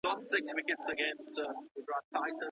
که مي نکاح درسره وکړه، نو ته طلاقه يې.